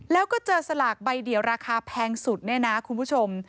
แล้วก็เจอสลากใบเดียวราคาแพงสุดเนี่ยนะคุณผู้ชม